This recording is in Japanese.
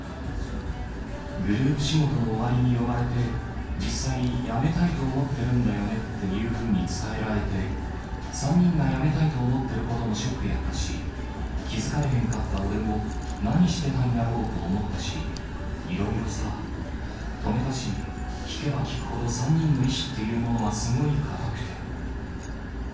グループ仕事の終わりに呼ばれて、実際、辞めたいと思ってるんだよねっていうふうに伝えられて、３人が辞めたいと思っていることもショックやったし、気付かれへんかった俺も、何してたんやろうと思ったし、いろいろさ止めたし、聞けば聞くほど３人の意思っていうものは、すごい固くて。